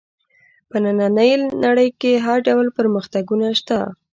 په نننۍ نړۍ کې هر ډول پرمختګونه شته.